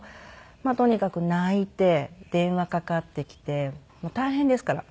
まあとにかく泣いて電話かかってきてもう大変ですから。